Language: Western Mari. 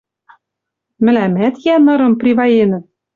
Мӹлӓмӓт йӓ нырым приваенӹт